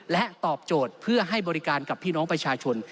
และตอบโจทย์เพื่อให้บริการกับพี่น้องประชาชน